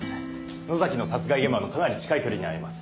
能崎の殺害現場のかなり近い距離にあります。